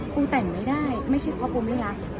กูแต่งไม่ได้ไม่ใช่เพราะกูไม่รัก